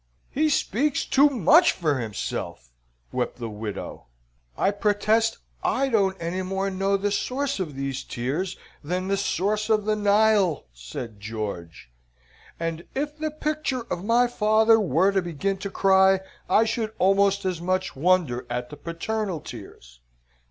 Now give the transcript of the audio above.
"He speaks too much for himself," wept the widow. "I protest I don't any more know the source of these tears, than the source of the Nile," said George, "and if the picture of my father were to begin to cry, I should almost as much wonder at the paternal tears.